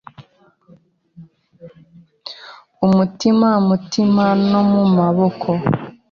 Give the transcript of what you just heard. umutima mumutima no mumaboko